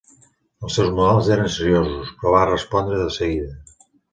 Els seus modals eren seriosos, però va respondre de seguida.